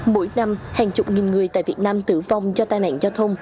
mỗi năm hàng chục nghìn người tại việt nam tử vong do tai nạn giao thông